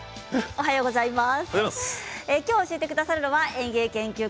おはようございます。